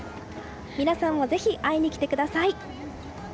皆さんもぜひ会いに来てください。